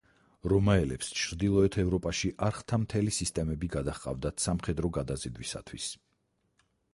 რომაელებს ჩრდილოეთ ევროპაში არხთა მთელი სისტემები გადაჰყავდათ სამხედრო გადაზიდვისათვის.